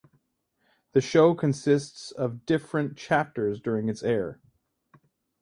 The show consists of different chapters during its air.